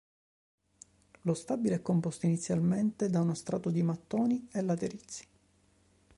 Lo stabile è composto inizialmente da uno strato di mattoni e laterizi.